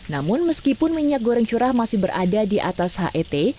namun meskipun minyak goreng curah masih berada di atas het